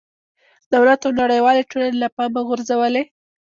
دولت او نړېوالې ټولنې له پامه غورځولې.